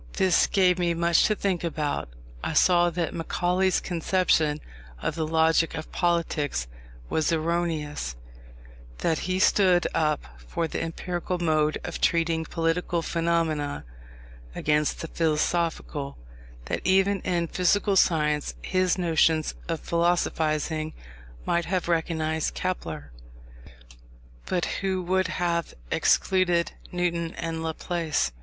This gave me much to think about. I saw that Macaulay's conception of the logic of politics was erroneous; that he stood up for the empirical mode of treating political phenomena, against the philosophical; that even in physical science his notions of philosophizing might have recognised Kepler, but would have excluded Newton and Laplace.